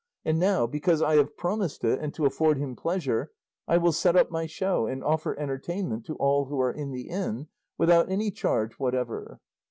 And now, because I have promised it, and to afford him pleasure, I will set up my show and offer entertainment to all who are in the inn, without any charge whatever."